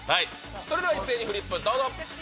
それでは一斉にフリップどうぞ。